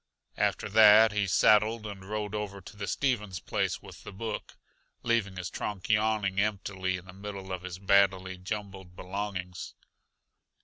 After that he saddled and rode over to the Stevens place with the book, leaving his trunk yawning emptily in the middle of his badly jumbled belongings.